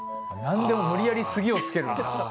なんでも無理やり「すぎ」をつけるんだ。